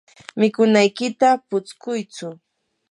mikunaykita putskuychu.